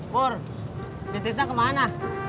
pur si tisna kemana